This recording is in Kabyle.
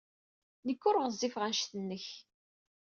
Nekk ur ɣezzifeɣ anect-nnek.